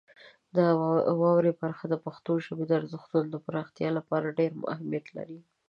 د واورئ برخه د پښتو ژبې د ارزښتونو د پراختیا لپاره ډېر اهمیت لري.